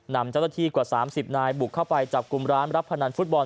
นำเจ้าหน้าที่กว่า๓๐นายบุกเข้าไปจับกลุ่มร้านรับพนันฟุตบอล